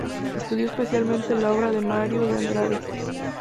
Estudió especialmente la obra de Mário de Andrade.